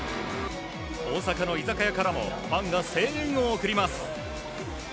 大阪の居酒屋からもファンが声援を送ります。